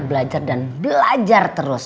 belajar dan belajar terus